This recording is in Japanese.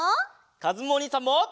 かずむおにいさんも！